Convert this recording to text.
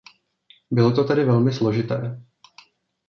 Bylo to tedy velmi složité.